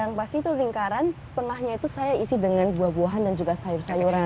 yang pasti itu lingkaran setengahnya itu saya isi dengan buah buahan dan juga sayur sayuran